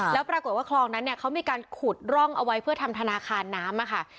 แล้วปรากฏว่าคลองนั้นเนี่ยเขามีการขุดร่องเอาไว้เพื่อทำธนาคารน้ำค่ะ